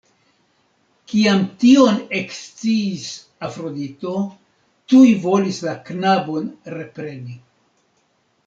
Kiam tion eksciis Afrodito, tuj volis la knabon repreni.